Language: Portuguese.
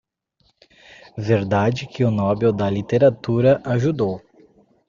Verdade que o Nobel da Literatura ajudou